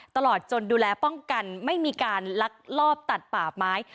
ตลอดจนดูแลป้องกันไม่มีการลักลอบตัดป่าไม้